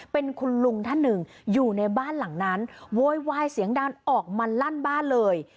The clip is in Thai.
เป็นคุณลุงท่านหนึ่งอยู่ในบ้านหลังนั้นโวยวายเสียงดังออกมาลั่นบ้านเลย